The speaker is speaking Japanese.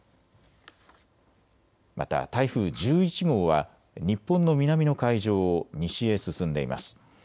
また台風１１号は日本の南の海上を西へ進んでいます。